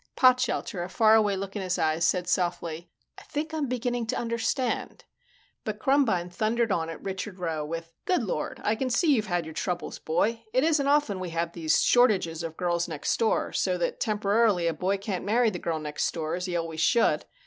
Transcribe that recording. Potshelter, a faraway look in his eyes, said softly, "I think I'm beginning to understand " But Krumbine thundered on at Richard Rowe with, "Good Lord, I can see you've had your troubles, boy. It isn't often we have these shortages of Girls Next Door, so that temporarily a boy can't marry the Girl Next Door, as he always should.